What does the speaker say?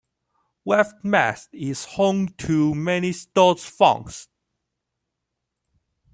Westmeath is home to many stud farms.